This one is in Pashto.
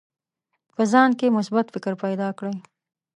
په ځان کې مثبت فکر پیدا کړئ.